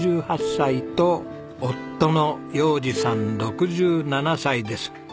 ６８歳と夫の洋治さん６７歳です。